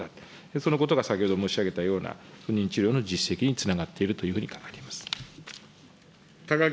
そのことが先ほど申し上げたような、不妊治療の実績につながっているというふうに考えています。